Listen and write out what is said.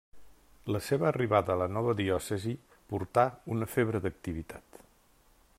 La seva arribada a la nova diòcesi portà una febre d'activitat.